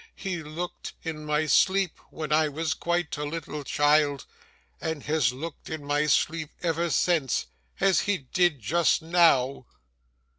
He looked in my sleep, when I was quite a little child, and has looked in my sleep ever since, as he did just now.